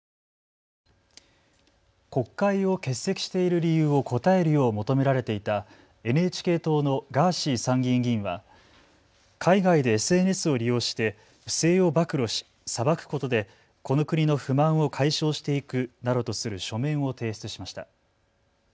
国会を欠席している理由を答えるよう求められていたＮＨＫ党のガーシー参議院議員は海外でＳＮＳを利用して不正を暴露し裁くことでこの国の不満を解消していくなどとする書面を提出しました。